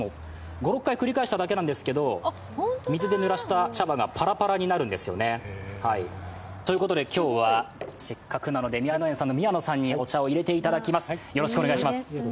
５６回繰り返しただけなんですけど、水でぬらした茶葉がパラパラになるんですよね。ということで今日はせっかくなので、宮野園さんの宮野さんにお茶を入れていただきます。